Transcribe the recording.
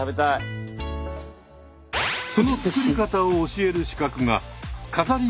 その作り方を教える資格が飾り